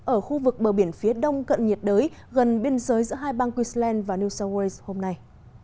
ở khu vực bờ biển phía đông cận nhiệt đới gần biên giới giữa hai bang queensland và new south wales hôm nay